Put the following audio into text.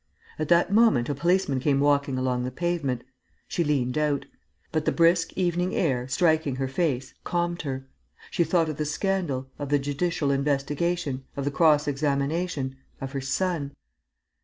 At that moment a policeman came walking along the pavement. She leant out. But the brisk evening air, striking her face, calmed her. She thought of the scandal, of the judicial investigation, of the cross examination, of her son.